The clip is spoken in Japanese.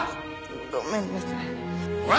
ごめんなさい。